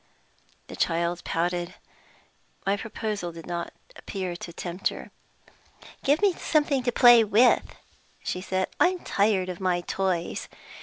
The child pouted: my proposal did not appear to tempt her. "Give me something to play with," she said. "I'm tired of my toys.